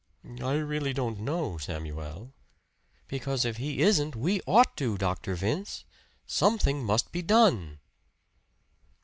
"I really don't know, Samuel." "Because if he isn't, we ought to, Dr. Vince! Something must be done."